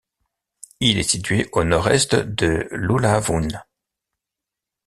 Il est situé au nord-est de l'Ulawun.